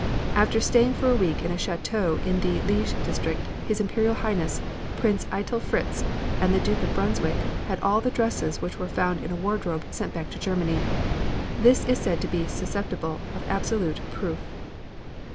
After staying for a week in a chateau in the Liege District, His Imperial Highness, Prince Eitel Fritz and the Duke of Brunswick, had all the dresses which were found in a wardrobe sent back to Germany. This is said to be susceptible of absolute proof.